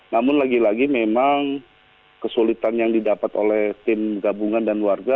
namun lagi lagi memang kesulitan yang didapat oleh tim gabungan dan warga